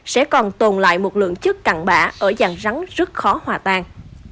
sẽ còn tồn lại một lượng chất cặn bã ở dàn rắn rất khó hòa tan